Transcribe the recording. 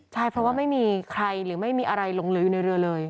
ใช่เพราะว่าไม่มีใครหรือไม่มีอะไรหลงเหลืออยู่ในเรือเลย